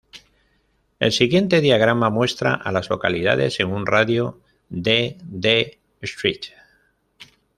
El siguiente diagrama muestra a las localidades en un radio de de St.